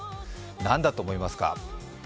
何だと思いますか？